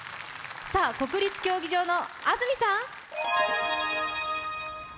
さあ、国立競技場の安住さん？